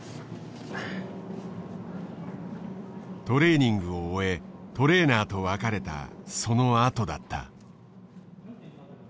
トレーニングを終えトレーナーと別れたそのあとだった。